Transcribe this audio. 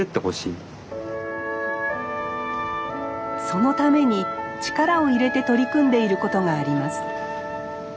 そのために力を入れて取り組んでいることがあります。